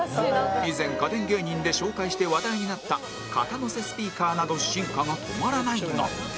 以前家電芸人で紹介して話題になった肩のせスピーカーなど進化が止まらないが